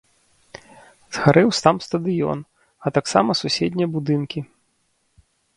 Згарэў сам стадыён, а таксама суседнія будынкі.